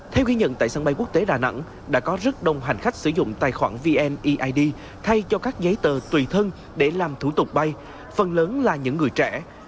theo ghi nhận tại sân bay quốc tế đà nẵng đã có rất đông hành khách sử dụng tài khoản vneid thay cho các giấy tờ tùy thân để làm thủ tục bay phần lớn là những người trẻ